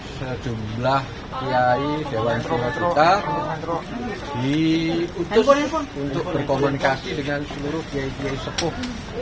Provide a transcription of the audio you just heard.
sejumlah piai dewan tansi kita diutus untuk berkomunikasi dengan seluruh piai piai sepuh